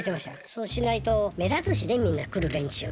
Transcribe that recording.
そうしないと目立つしねみんな来る連中が。